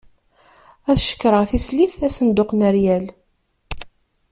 Ad cekkreɣ tislit asenduq n ryal.